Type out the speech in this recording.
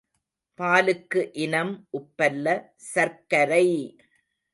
பாலுக்கு இனம் உப்பல்ல சர்க்கரை!